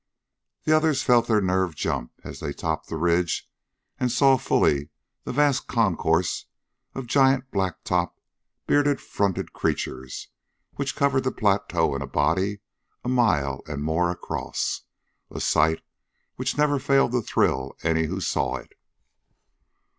The others felt their nerves jump as they topped the ridge and saw fully the vast concourse of giant black topped, beard fronted creatures which covered the plateau in a body a mile and more across a sight which never failed to thrill any who saw it.